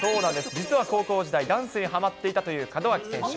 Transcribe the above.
実は高校時代、ダンスにはまっていたという門脇選手。